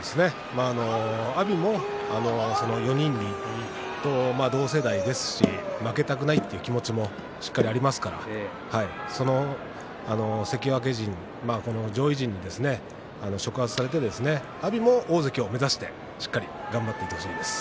阿炎もその４人と同世代ですし負けたくないという気持ちもしっかりありますから関脇勢、上位陣に触発されて阿炎も大関を目指して、しっかり頑張っていってほしいです。